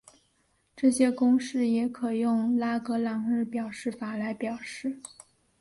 这些公式也可以用拉格朗日表示法来表示。